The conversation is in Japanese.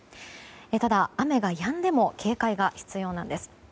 ただ、雨がやんでも警戒が必要なんです。